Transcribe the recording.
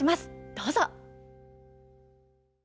どうぞ。